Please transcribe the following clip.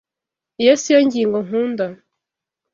Iyo siyo ngingo nkunda.